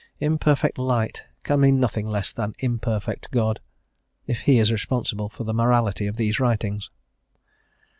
Imperfect light can mean nothing less than imperfect God, if He is responsible for the morality of these writings.